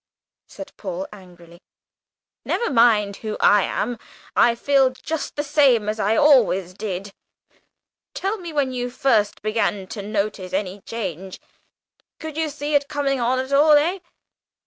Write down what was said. said Paul angrily. "Never mind who I am. I feel just the same as I always did. Tell me when you first began to notice any change. Could you see it coming on at all, eh?"